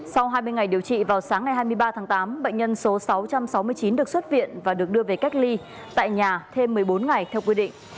sau hai mươi ngày điều trị vào sáng ngày hai mươi ba tháng tám bệnh nhân số sáu trăm sáu mươi chín được xuất viện và được đưa về cách ly tại nhà thêm một mươi bốn ngày theo quy định